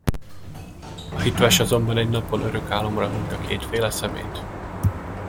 A hitves azonban egy napon örök álomra hunyta kétféle szemét.